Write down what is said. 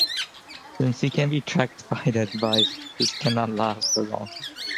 Since he can be tracked by the device, this cannot last for long.